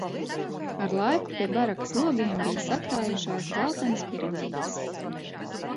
Ar laiku pie barakas logiem bija sakrājušās dzeltenas piramīdas.